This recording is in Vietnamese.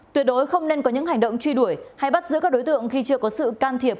tuyệt đối không nên có những hành động truy đuổi hay bắt giữ các đối tượng khi chưa có sự can thiệp